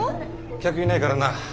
客いないからな。